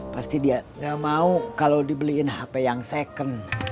pasti dia gak mau kalau dibeliin hp yang second